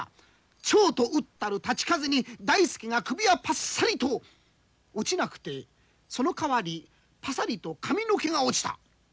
丁と打ったる太刀風に大助が首がパッサリと落ちなくてそのかわりパサリと髪の毛が落ちた！